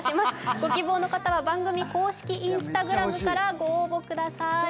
ご希望の方は番組公式Ｉｎｓｔａｇｒａｍからご応募ください。